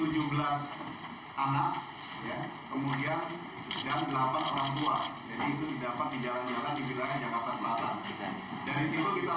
jadi itu didapat di jalan jalan di jalan jalan jakarta selatan